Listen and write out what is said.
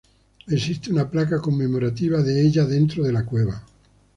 Existe una placa conmemorativa de ella dentro de la cueva.